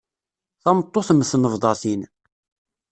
Tameṭṭut mm tnebḍatin.